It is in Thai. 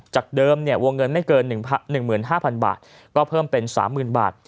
จากเดิมวงเงินไม่เกิน๑๕๐๐๐บาทก็เพิ่มเป็น๓๐๐๐บาท